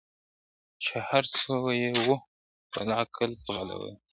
چي هر څو یې وو خپل عقل ځغلولی !.